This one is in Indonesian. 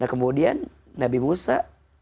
nah kemudian nabi musa